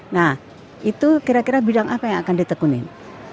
nah itu kira kira bidang apa yang akan ditekunin